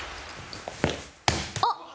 あっ！